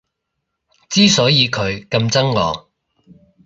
之所以佢咁憎我